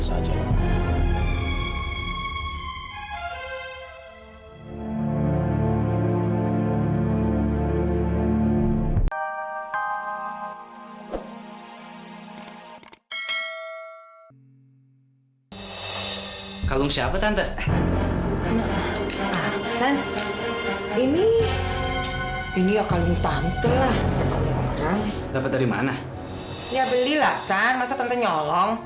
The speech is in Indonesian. saja kalau siapa tante ini ini akan tante lah dapat dari mana ya beli laksan masa tante nyolong